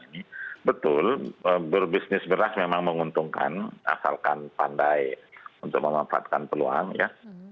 ini betul berbisnis beras memang menguntungkan asalkan pandai untuk memanfaatkan peluang ya